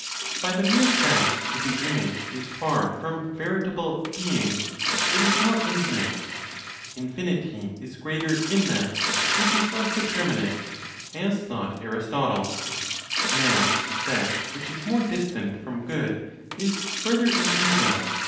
By the mere fact that the image is far from veritable "being," it is more infinite. Infinity is greater in that which is less determinate (as thought Aristotle). Now that which is more distant from good is further in evil.